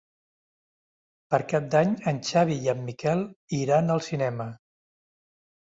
Per Cap d'Any en Xavi i en Miquel iran al cinema.